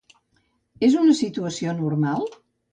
És una situació normal?